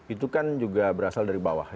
itu kan juga berasal dari bawah